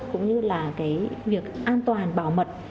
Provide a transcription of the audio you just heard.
cũng như là cái việc an toàn bảo mật